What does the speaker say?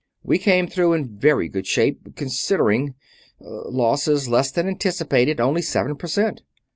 "We came through in very good shape, considering ... losses less than anticipated, only seven percent.